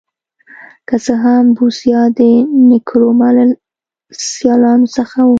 که څه هم بوسیا د نکرومه له سیالانو څخه و.